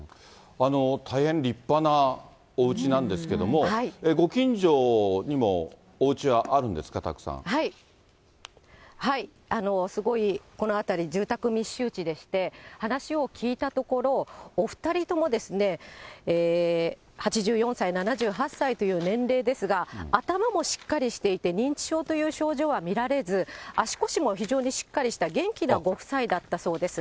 大変立派なおうちなんですけれども、ご近所にもおうちはあるんですか、すごい、この辺り、住宅密集地でして、話を聞いたところ、お２人とも、８４歳、７８歳という年齢ですが、頭もしっかりしていて、認知症という症状は見られず、足腰も非常にしっかりした、元気なご夫妻だったそうです。